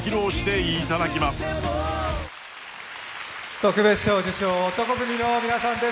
特別賞受賞、男闘呼組の皆さんです。